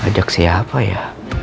ajak siapa ya